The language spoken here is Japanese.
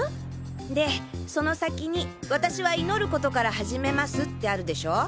でその先に「私は祈ることから始めます」ってあるでしょ？